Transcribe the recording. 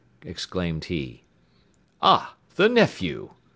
exclaimed he. "Ah! the nephew!"